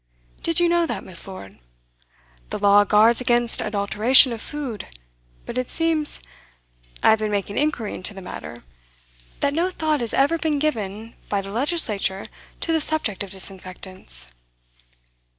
Did you know that, Miss. Lord? The law guards against adulteration of food, but it seems I have been making inquiry into the matter that no thought has ever been given by the legislature to the subject of disinfectants!